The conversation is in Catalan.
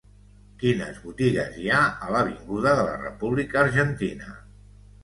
Quines botigues hi ha a l'avinguda de la República Argentina?